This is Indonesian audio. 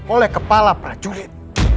oleh kepala prajurit